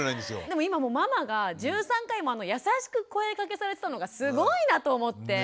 でも今ママが１３回も優しく声かけされてたのがすごいなと思って。